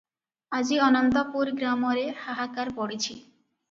ଆଜି ଅନନ୍ତପୁର ଗ୍ରାମରେ ହାହାକାର ପଡ଼ିଛି ।